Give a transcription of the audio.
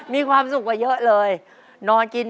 ตัวเลือกที่สอง๘คน